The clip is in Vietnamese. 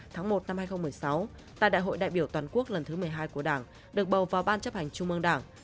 tháng một năm hai nghìn một mươi sáu tại đại hội đại biểu toàn quốc lần thứ một mươi hai của đảng được bầu vào ban chấp hành trung ương đảng